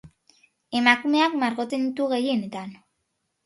Emakumeak margotzen ditu gehienetan.